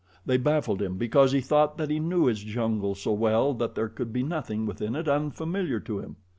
They baffled him because he thought that he knew his jungle so well that there could be nothing within it unfamiliar to him.